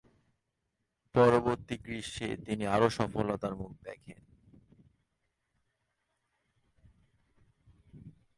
পরবর্তী গ্রীষ্মে তিনি আরও সফলতার মুখ দেখেন।